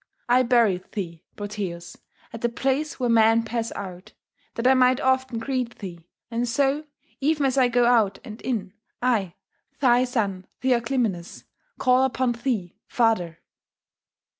I buried thee, Proteus, at the place where men pass out, that I might often greet thee; and so, even as I go out and in, I, thy son Theoclymenus, call upon thee, father!